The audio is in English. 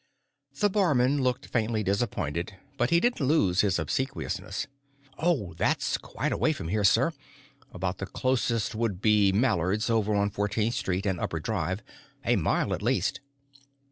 The barman looked faintly disappointed, but he didn't lose his obsequiousness. "Oh, that's quite a way from here, sir about the closest would be Mallard's, over on Fourteenth Street and Upper Drive. A mile, at least."